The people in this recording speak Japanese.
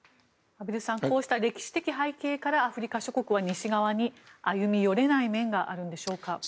畔蒜さんこうした歴史的背景からアフリカ諸国は西側に歩み寄れない面があるんでしょうか。